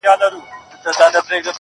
هسي بیا نه راځو، اوس لا خُمار باسه.